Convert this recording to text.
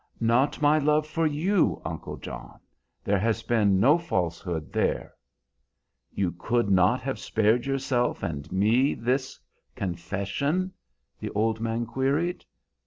"Not my love for you, uncle John; there has been no falsehood there." "You could not have spared yourself and me this confession?" the old man queried.